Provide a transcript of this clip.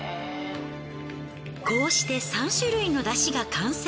こうして３種類の出汁が完成。